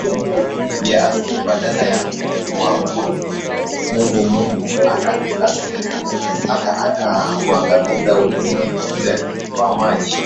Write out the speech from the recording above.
vya asili badala ya Kumwabudu Mungu Mungu akakasirika hata akauangamiza Ulimwengu ule kwa Maji